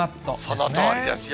そのとおりですよ。